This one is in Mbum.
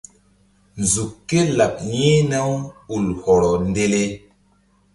Nzuk ké laɓ yi̧hna-u ul hɔrɔ ndele.